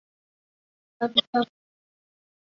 萼状微孔草为紫草科微孔草属下的一个种。